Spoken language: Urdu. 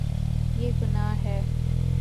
یے گناہ ہے